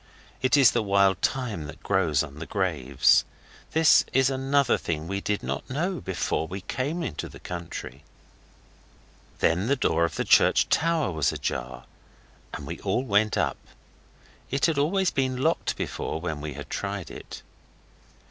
It is the wild thyme that grows on the graves. This is another thing we did not know before we came into the country. Then the door of the church tower was ajar, and we all went up; it had always been locked before when we had tried it.